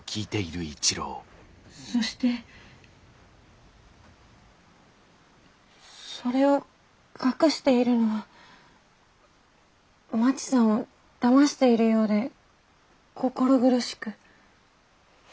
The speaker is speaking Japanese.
そしてそれを隠しているのはまちさんをだましているようで心苦しく。